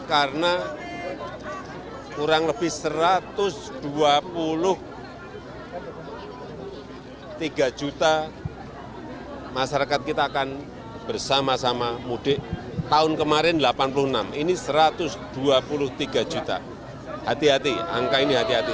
karena kurang lebih satu ratus dua puluh tiga juta masyarakat kita akan bersama sama mudik tahun kemarin delapan puluh enam ini satu ratus dua puluh tiga juta hati hati angka ini hati hati